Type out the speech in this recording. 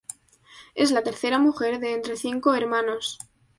Es la tercera mujer de entre cinco hermanos.